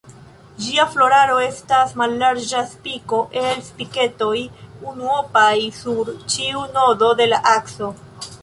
Gia floraro estas mallarĝa spiko el spiketoj unuopaj sur ĉiu nodo de la akso.